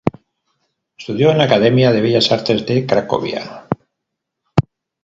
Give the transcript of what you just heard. Estudió en la Academia de Bellas Artes de Cracovia.